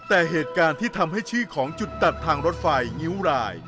แต่เหตุการณ์ที่ทำให้ชื่อของจุดตัดทางรถไฟงิ้วราย